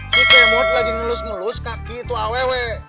si kemot lagi ngelus ngelus kaki tuh awewe